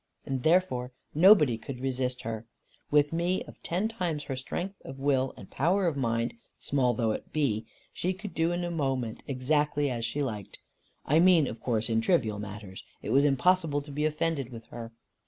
And therefore nobody could resist her. With me, of ten times her strength of will, and power of mind small though it be she could do in a moment exactly as she liked; I mean of course in trivial matters. It was impossible to be offended with her.